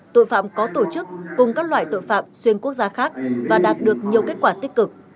tội phạm có tổ chức cùng các loại tội phạm xuyên quốc gia khác và đạt được nhiều kết quả tích cực